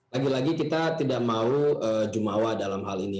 lagi lagi kita tidak mau jumawa dalam hal ini